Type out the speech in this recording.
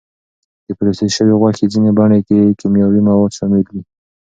د پروسس شوې غوښې ځینې بڼې کې کیمیاوي مواد شامل وي.